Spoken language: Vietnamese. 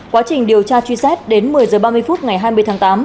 quá trình điều tra truy xét đến một mươi h ba mươi phút ngày hai mươi tháng tám